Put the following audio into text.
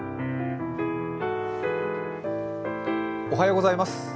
おはようございます。